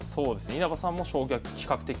稲葉さんも将棋は比較的。